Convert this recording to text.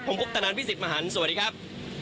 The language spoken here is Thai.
ผมคุปตนันพี่สิทธิมหันฯสวัสดีครับ